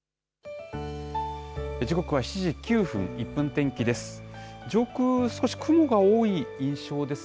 時刻は７時９分、１分天気です。